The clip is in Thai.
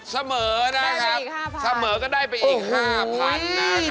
เสมอนะครับเสมอก็ได้ไปอีก๕๐๐๐บาทนะครับโอ้โฮ